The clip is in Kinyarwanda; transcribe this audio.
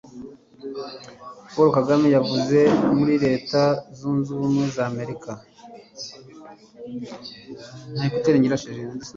Paul Kagame yavuye muri Leta Zunze Ubumwe z'Amerika